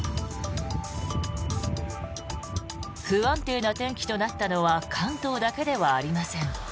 不安定な天気となったのは関東だけではありません。